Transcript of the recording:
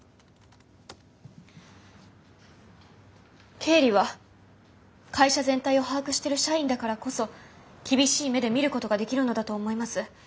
経理は会社全体を把握してる社員だからこそ厳しい目で見ることができるのだと思います。